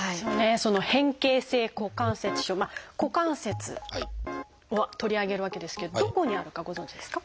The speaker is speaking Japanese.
その「変形性股関節症」「股関節」を取り上げるわけですけどどこにあるかご存じですか？